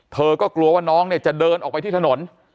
เธอก็กลัวว่าน้องเนี่ยจะเดินออกไปที่ถนน